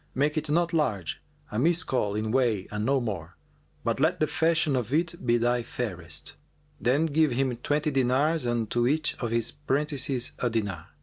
Make it not large, a Miskбl[FN#403] in weight and no more; but let the fashion of it be thy fairest.' Then give him twenty dinars and to each of his prentices a dinar.